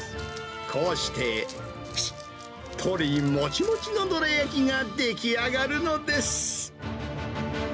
こうして、しっとりもちもちのどら焼きが出来上がるのです。